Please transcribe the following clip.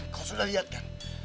kau sudah lihat kan